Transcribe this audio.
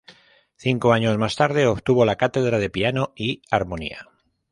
Cinco años más tarde, obtuvo la cátedra de piano y armonía.